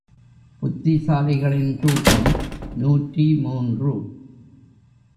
புத்திசாலிகளின் தூக்கம் நூற்றி மூன்று.